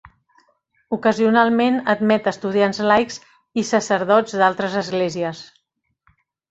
Ocasionalment admet estudiants laics i sacerdots d'altres esglésies.